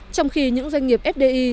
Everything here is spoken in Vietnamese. trong khi những doanh nghiệp fdi